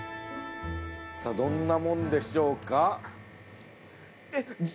さぁどんなもんでしょうか？